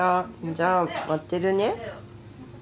じゃあ待ってるね。